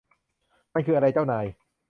มันคืออะไร เจ้านาย